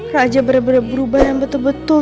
raja berubah yang betul betul